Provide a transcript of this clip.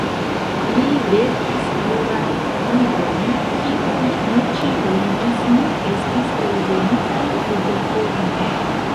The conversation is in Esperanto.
Li verkis plurajn librojn kiuj ne ĉiuj ĝis nun estis eldonitaj libroforme.